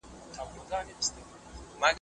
هیڅوک باید د تاوتریخوالي لاندي ژوند ونه کړي.